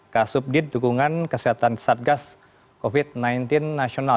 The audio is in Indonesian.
k subdid tukungan kesehatan kesatgas covid sembilan belas nasional